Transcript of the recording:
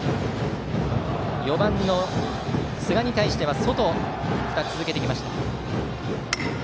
４番の寿賀に対しては外、２つ続けてきました。